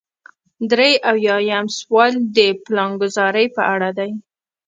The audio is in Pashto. درې اویایم سوال د پلانګذارۍ په اړه دی.